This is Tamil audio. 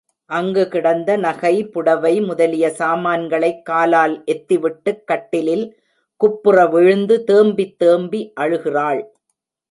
அங்கு கிடந்த நகை, புடவை முதலிய சாமான்களைக் காலால் எத்திவிட்டுக் கட்டிலில் குப்புற விழுந்து தேம்பித் தேம்பி அழுகிறாள்.